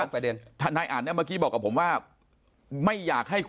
เพียงแต่ว่าเดี๋ยวเวลาผมจะบทไม่ให้หรอก